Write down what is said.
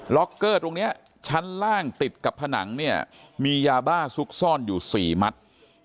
็อกเกอร์ตรงนี้ชั้นล่างติดกับผนังเนี่ยมียาบ้าซุกซ่อนอยู่๔มัด